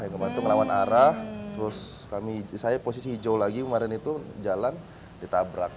kemarin itu ngelawan arah terus kami saya posisi hijau lagi kemarin itu jalan ditabrak